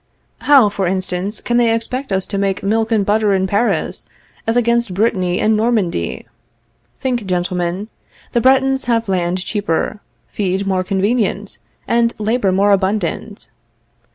How, for instance, can they expect us to make milk and butter in Paris as against Brittany and Normandy? Think, gentlemen; the Bretons have land cheaper, feed more convenient, and labor more abundant.